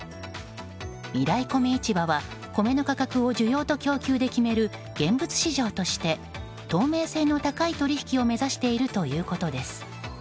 みらい米市場は米の価格を需要と供給で決める現物市場として透明性の高い取引を目指しているということです。